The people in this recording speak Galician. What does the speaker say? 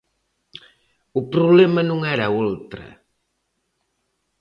O problema non era Oltra.